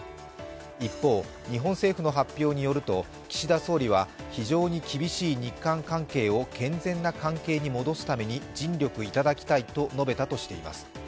一方、日本政府の発表によると、岸田総理は非常に厳しい日韓関係を健全な関係に戻すために尽力いただきたいと述べたとしています。